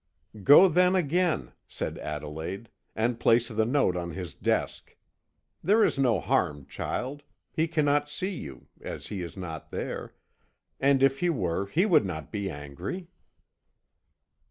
"Go then, again," said Adelaide, "and place the note on his desk. There is no harm, child; he cannot see you, as he is not there, and if he were, he would not be angry."